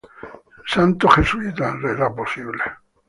Santo jesuita.